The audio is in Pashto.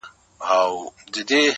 بيا چي يخ سمال پټيو څخه راسي،